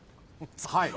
はい。